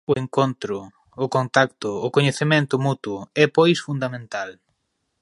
O encontro, o contacto, o coñecemento mutuo é, pois, fundamental.